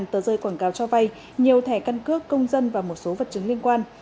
hai tờ rơi quảng cáo cho vay nhiều thẻ căn cước công dân và một số vật chứng liên quan